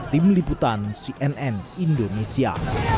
tim liputan cnn indonesia